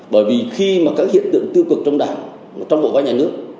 bởi vì khi mà các hiện tượng tiêu cực trong đảng trong bộ máy nhà nước